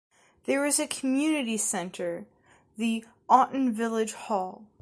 There is a community centre, the Aughton Village Hall.